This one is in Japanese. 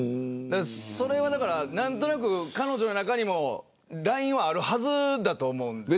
それは、だから何となく彼女の中にもラインはあるはずだと思うんです。